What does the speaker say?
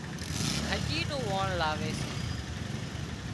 کڄي نُون واڻ لاوي سي